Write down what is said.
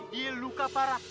dia luka parah